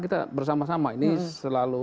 kita bersama sama ini selalu